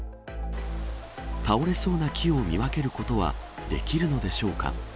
倒れそうな木を見分けることはできるのでしょうか。